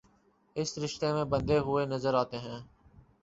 اس رشتے میں بندھے ہوئے نظرآتے ہیں